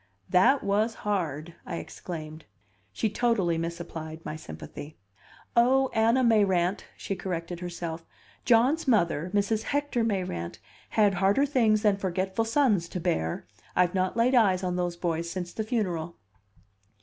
"That was hard!" I exclaimed. She totally misapplied my sympathy. "Oh, Anna Mayrant," she corrected herself, "John's mother, Mrs. Hector Mayrant, had harder things than forgetful sons to bear! I've not laid eyes on those boys since the funeral."